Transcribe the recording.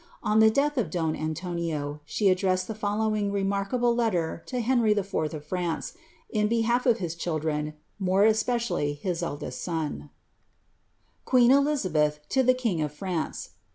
On the death of don Antonio,' she addressed the fol lowing remarkable letter to Henry IV. of France, in behalf of his chil ireo, more especially his eldest son : QviKv Elisabith to TBI KiHs ov Fraztck.